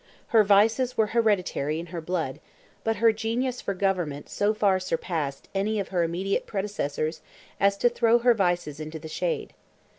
Her vices were hereditary in her blood, but her genius for government so far surpassed any of her immediate predecessors as to throw her vices into the shade.